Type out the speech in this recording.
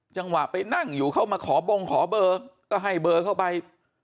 จังหวะไปนั่งอยู่เข้ามาขอบงขอเบอร์ก็ให้เบอร์เข้าไป